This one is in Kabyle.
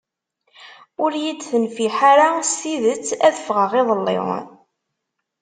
Ur yi-d-tenfiḥ ara s tidet ad ffɣeɣ iḍelli.